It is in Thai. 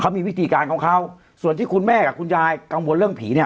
มีวิธีการของเขาส่วนที่คุณแม่กับคุณยายกังวลเรื่องผีเนี่ย